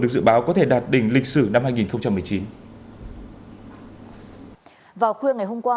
được dự báo có thể đạt đỉnh lịch sử năm hai nghìn một mươi chín